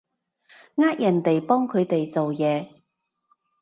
呃人哋幫佢哋做嘢